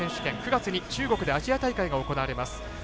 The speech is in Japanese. ９月に中国でアジア大会が行われます。